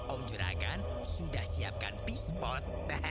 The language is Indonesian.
om juragan sudah siapkan pispot